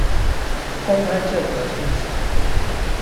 公開這則訊息